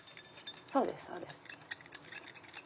そうですそうです。